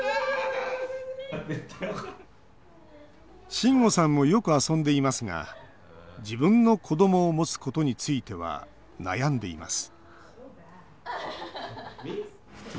しんごさんもよく遊んでいますが自分の子どもを持つことについては悩んでいます